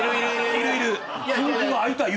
いるいる。